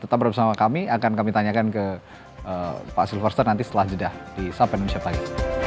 tetap bersama kami akan kami tanyakan ke pak silversar nanti setelah jeda di sapa indonesia pagi